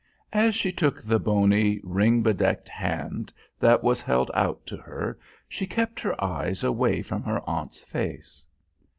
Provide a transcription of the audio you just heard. As she took the bony, ring bedecked hand that was held out to her, she kept her eyes away from her aunt's face.